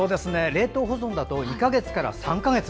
冷凍保存だと２か月から３か月。